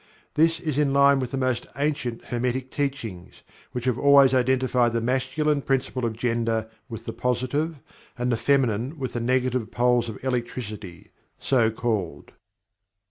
This is in line with the most ancient Hermetic Teachings, which have always identified the Masculine principle of Gender with the "Positive," and the Feminine with the "Negative" Poles of Electricity (so called).